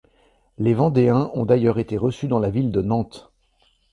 Les vendéens ont d'ailleurs été reçus dans la ville de Nantes.